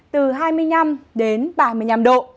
từ hai mươi năm đến ba mươi năm độ